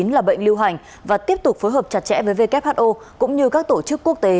là bệnh lưu hành và tiếp tục phối hợp chặt chẽ với who cũng như các tổ chức quốc tế